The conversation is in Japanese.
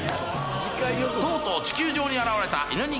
とうとう地球上に現れた犬人間。